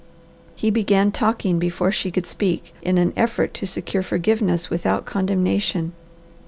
He began talking before she could speak, in an effort to secure forgiveness without condemnation.